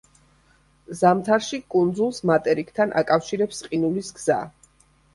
ზამთარში კუნძულს მატერიკთან აკავშირებს ყინულის გზა.